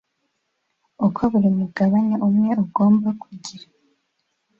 uko buri mugabane umwe ugomba kugira